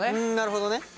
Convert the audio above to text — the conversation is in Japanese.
なるほどね。